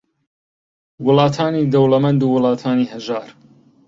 وڵاتانی دەوڵەمەند و وڵاتانی ھەژار